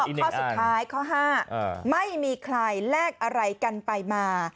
อันดับสุดข้าวข้อห้าไม่มีใครแลกอะไรกันไปมา